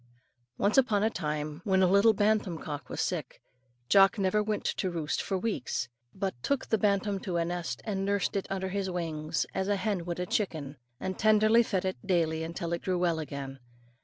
Once upon a time, when a little bantam cock was sick, Jock never went to roost for weeks, but took the bantam to a nest and nursed it under his wings, as a hen would a chicken, and tenderly fed it daily till it grew well again.